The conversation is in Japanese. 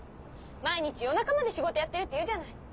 毎日夜中まで仕事やってるっていうじゃない。